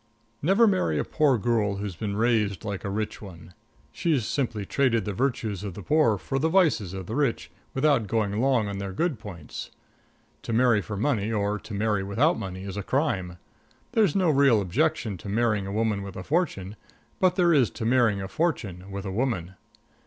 Never marry a poor girl who's been raised like a rich one. She's simply traded the virtues of the poor for the vices of the rich without going long on their good points. To marry for money or to marry without money is a crime. There's no real objection to marrying a woman with a fortune, but there is to marrying a fortune with a woman.